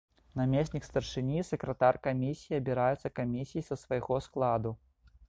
Намеснік старшыні і сакратар камісіі абіраюцца камісіяй са свайго складу.